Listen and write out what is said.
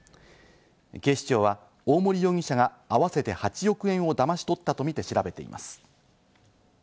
警視庁は大森容疑者が合わせて８億円をだまし取ったとみて調べています。